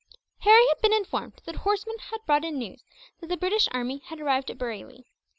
Harry had been informed that a horseman had brought in news that the British army had arrived at Bareilly.